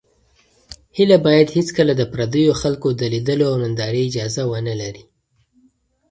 هیله باید هېڅکله د پردیو خلکو د لیدلو او نندارې اجازه ونه لري.